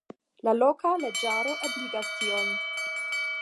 La loka leĝaro ebligas tion.